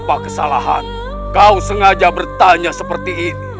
aku kalahkan saat ini